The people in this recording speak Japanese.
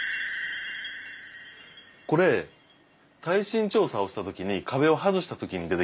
これ耐震調査をした時に壁を外した時に出てきたんです。